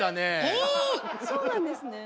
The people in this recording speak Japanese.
えそうなんですね。